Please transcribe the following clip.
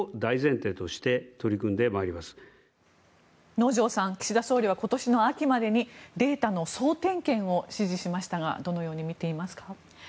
能條さん岸田総理は今年の秋までにデータの総点検を指示しましたがどのように見ていますか？